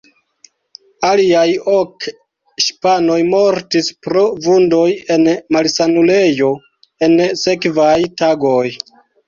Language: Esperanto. Aliaj ok ŝipanoj mortis pro vundoj en malsanulejo en sekvaj tagoj.